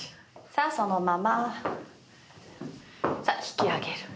さあそのまま引き上げる。